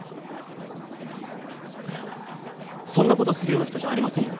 いやそんなことするような人じゃありませんよ